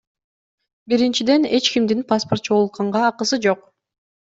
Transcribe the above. Биринчиден, эч кимдин паспорт чогултканга акысы жок.